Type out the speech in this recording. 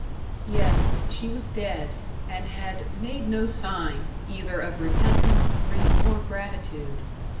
Yes, she was dead, and had "made no sign," either of repentance, grief, or gratitude.